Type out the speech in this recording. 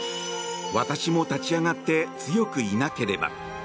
私も立ち上がって強くいなければ。